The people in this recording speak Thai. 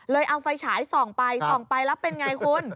เลยเอาไฟฉายส่องไปส่องไปแล้วเป็นอย่างไรคุณ